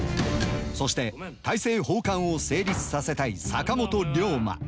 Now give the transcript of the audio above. そして大政奉還を成立させたい坂本龍馬。